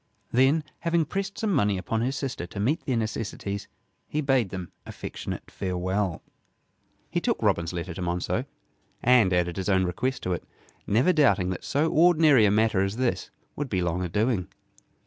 Then, having pressed some money upon his sister to meet their necessities, he bade them affectionate farewell. He took Robin's letter to Monceux, and added his own request to it, never doubting that so ordinary a matter as this would be long a doing.